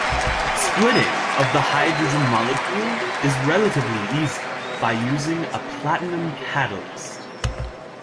Splitting of the hydrogen molecule is relatively easy by using a platinum catalyst.